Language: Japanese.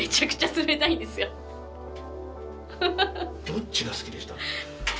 どっちが好きでした？